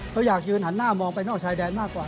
เขาอยากยืนหันหน้ามองไปนอกชายแดนมากกว่า